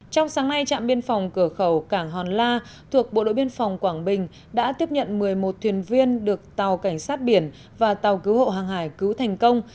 trong sáng nay trạm biên phòng cửa khẩu cảng hòn la thuộc bộ đội biên phòng quảng bình đã tiếp nhận một mươi một thuyền viên được tàu cảnh sát biển và tàu cứu hộ hàng hải cứu thành công